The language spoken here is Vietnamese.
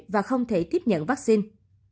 và không thể tiếp nhận vaccine